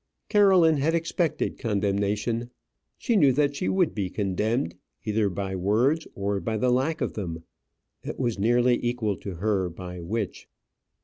Caroline had expected condemnation. She knew that she would be condemned, either by words or by the lack of them; it was nearly equal to her by which.